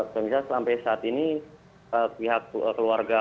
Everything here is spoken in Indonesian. sejauh ini sampai saat ini pihak keluarga